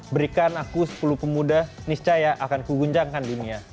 berikan aku sepuluh pemuda niscaya akan kuguncangkan dunia